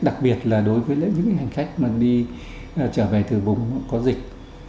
đặc biệt là đối với những hành khách mà đi trở về từ vùng có dịch